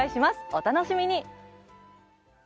お楽しみに。